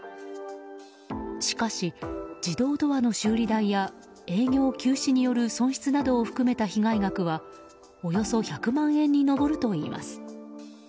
しかし、自動ドアの修理代や営業休止による損失などを含めた被害額はおよそ１００万円に上るといいます。